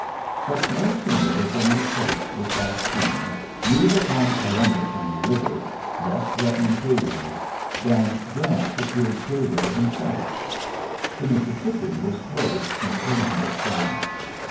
But sooner did General Polk with that a move upon Columbus on the river, th threatening Cairo, than Grant secur Cairo himself. The Mississippi ^ closed from Columbus down.